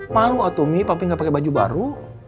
malu atuh mi papi gak pake baju baru